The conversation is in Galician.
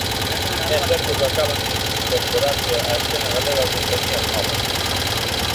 É certo que acaban de incorporarse a Escena Galega compañías novas.